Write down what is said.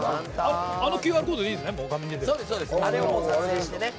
あのＱＲコードでいいんですね。